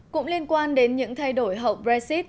cũng liên quan đến những thay đổi hậu brexit